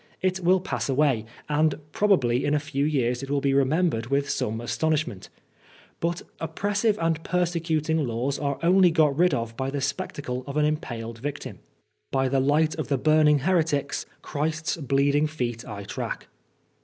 It wUl pass away, and probably in a lew years it will be remembered with some astonidmient ; but oppressive and ^rsecuting laws are only got rid of by the spectacle of an unpaled victim. *Bv the light of burning heretics Christ's bleeding feet I tract.'